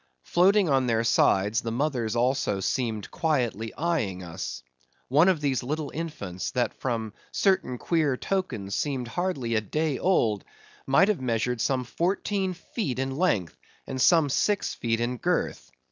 Floating on their sides, the mothers also seemed quietly eyeing us. One of these little infants, that from certain queer tokens seemed hardly a day old, might have measured some fourteen feet in length, and some six feet in girth.